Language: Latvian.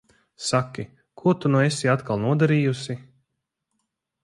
Saki, ko tu nu esi atkal nodarījusi?